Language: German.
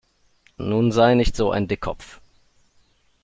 Nun sei nicht so ein Dickkopf!